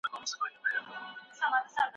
که ښځې قلم ولري نو تاریخ به نه ورکيږي.